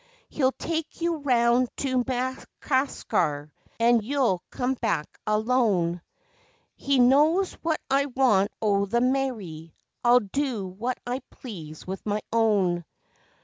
He'll take you round to Macassar, and you'll come back alone; He knows what I want o' the Mary.... I'll do what I please with my own.